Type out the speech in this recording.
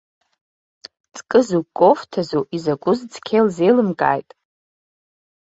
Ҵкызу, кофҭазу, изакәыз цқьа илзеилымкааит.